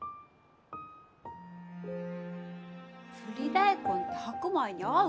ブリ大根って白米に合う？